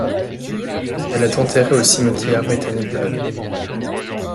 Elle est enterrée au cimetière britannique de la ville.